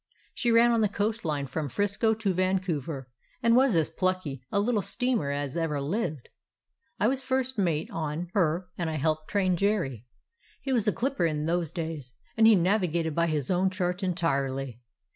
She ran on the Coast Line from 'Frisco to Vancouver, and was as plucky a little steamer as ever lived. I was first mate on 219 DOG HEROES OF MANY LANDS her, and I helped train Jerry. He was a clip per in those days, and he navigated by his own chart entirely.